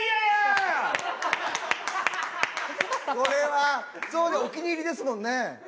これはそういうのお気に入りですもんね。